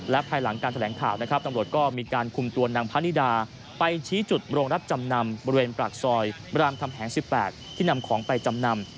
และภายหลังการแถลงข่าวนะครับตำรวจก็มีการคุมตัวนางพะนิดาไปชี้จุดโรงรับจำนำบริเวณปากซอยรามคำแหง๑๘ที่นำของไปจำนำ